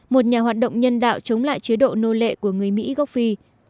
một nhà hoạt động nhân đạo chống lại chế độ nô lệ của người mỹ gốc phi